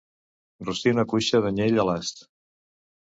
Rostir una cuixa d'anyell a l'ast.